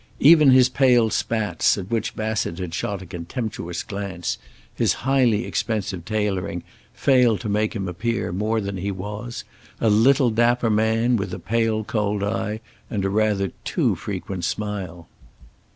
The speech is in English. Even his pale spats, at which Bassett had shot a contemptuous glance, his highly expensive tailoring, failed to make him appear more than he was, a little, dapper man, with a pale cold eye and a rather too frequent smile.